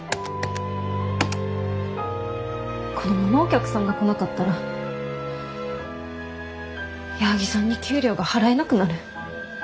このままお客さんが来なかったら矢作さんに給料が払えなくなる。